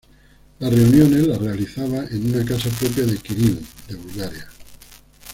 Las reuniones las realizaba en una casa propiedad de Kiril de Bulgaria.